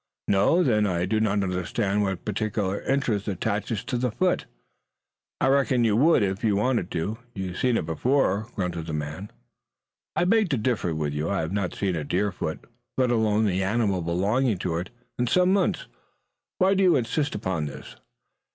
"No? Then I do not understand what particular interest attaches to the foot." "I reckon you would if you wanted to. You've seen it before," grunted the man. "I beg to differ with you. I have not seen a deer foot, let alone the animal belonging to it, in some months. Why do you insist upon this?"